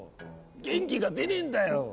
元気が出ねぇんだよ！